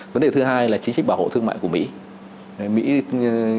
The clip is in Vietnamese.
vấn đề thứ hai là chính sách bảo hộ thương mại của mỹ